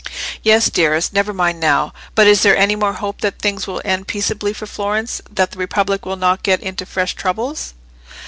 "Yes, dearest, never mind now. But is there any more hope that things will end peaceably for Florence, that the Republic will not get into fresh troubles?"